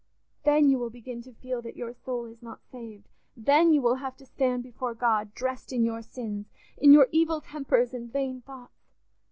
Then you will begin to feel that your soul is not saved; then you will have to stand before God dressed in your sins, in your evil tempers and vain thoughts.